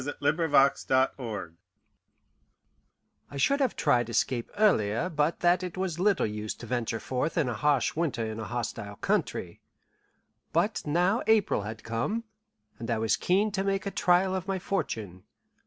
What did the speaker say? THROUGH THE BARS OF THE CAGE I should have tried escape earlier but that it was little use to venture forth in the harsh winter in a hostile country. But now April had come, and I was keen to make a trial of my fortune.